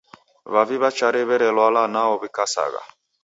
W'avi w'a Chari w'erelwala nwao w'ikasagha.